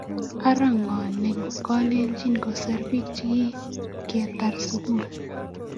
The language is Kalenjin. ara ngo nekalenjin kiserei pik chekitar sukul?